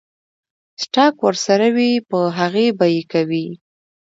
سټاک ورسره وي پۀ هغې به يې کوي ـ